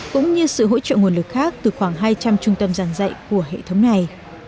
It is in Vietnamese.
cũng như sự hỗ trợ nguồn lực khác từ khoảng hai trăm linh trung tâm giảng dạy của hệ thống này